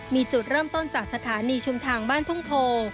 มีจุดเริ่มต้นจากสถานีชุมทางบ้านทุ่งโพ